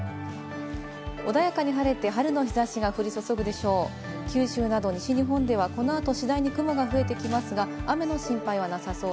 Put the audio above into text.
穏やかに晴れて春の日差しが降り注ぐでしょう。